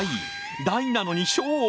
大なのに小？